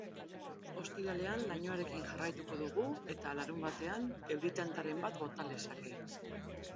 Ostiralean lainoarekin jarraituko dugu eta larunbatean euri tantaren bat bota lezake.